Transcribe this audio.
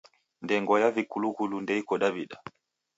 Ndengwa ya vikulughulu ndeiko Daw'ida.